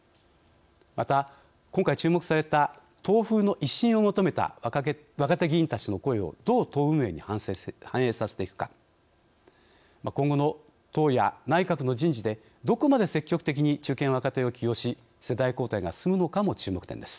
また今回注目された党風の一新を求めた若手議員たちの声をどう党運営に反映させていくか今後の党や内閣の人事でどこまで積極的に中堅若手を起用し世代交代が進むのかも注目点です。